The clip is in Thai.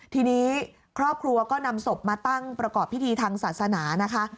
ทีนี้ครอบครัวก็นำศพมาตั้งประกอบพิธีทางศาสนานะคะ